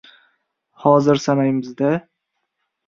— Hozir sanaymiz-da.